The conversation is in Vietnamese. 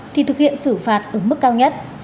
thì thực hiện xử phạt ở mức cao nhất